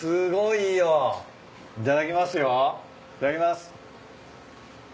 いただきます。